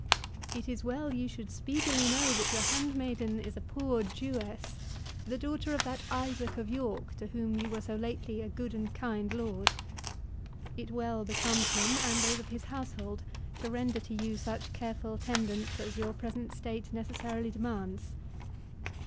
It is well you should speedily know that your handmaiden is a poor Jewess, the daughter of that Isaac of York, to whom you were so lately a good and kind lord. It well becomes him, and those of his household, to render to you such careful tendance as your present state necessarily demands."